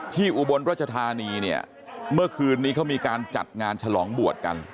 อุบลรัชธานีเนี่ยเมื่อคืนนี้เขามีการจัดงานฉลองบวชกัน